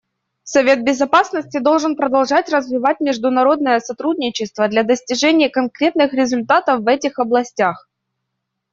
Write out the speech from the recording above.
Совет Безопасности должен продолжать развивать международное сотрудничество для достижения конкретных результатов в этих областях.